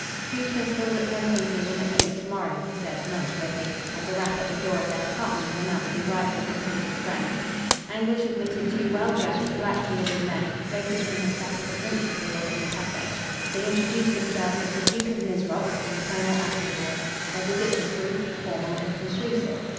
"Choose pistols at ten paces and at eight tomorrow," he said, nonchalantly, as a rap at the door of their apartment announced the arrival of the Prince's friend. Anguish admitted two well dressed, black bearded men, both of whom had sat at the Prince's table in the cafe. They introduced themselves as the Duke of Mizrox and Colonel Attobawn. Their visit was brief, formal and conclusive.